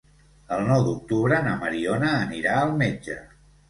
El nou d'octubre na Mariona anirà al metge.